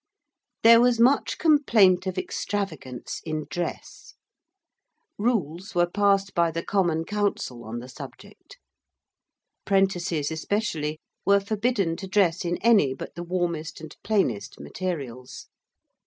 There was much complaint of extravagance in dress: rules were passed by the Common Council on the subject. Prentices especially were forbidden to dress in any but the warmest and plainest materials.